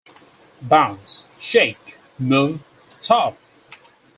Bounce, Shake, Move, Stop!